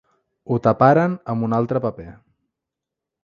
ho taparen amb un altre paper